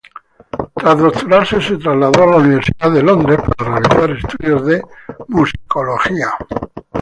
Tras doctorarse, se trasladó a la Universidad de Londres para realizar estudios de Musicología.